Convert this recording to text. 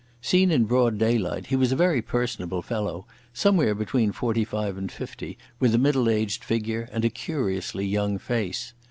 Seen in broad daylight he was a very personable fellow, somewhere between forty five and fifty, with a middle aged figure and a curiously young face.